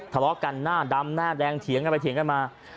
ทะเลาะกันหน้าดำหน้าแดงเถียงกันไปเถียงกันมา